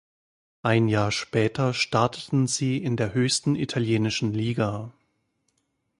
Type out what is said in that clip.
Ein Jahr später starteten sie in der höchsten italienischen Liga.